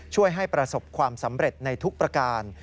ช่วยให้ประสบความสำเร็จในทุกประการ